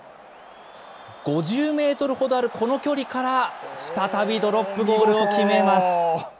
５０メートルほどあるこの距離から、再びドロップゴールを決めます。